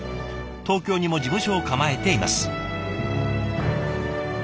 東京にも事務所を構えています。